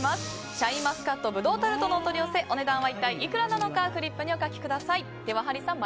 シャインマスカット葡萄タルトのお取り寄せお値段は一体いくらなのかフリップにお書きください。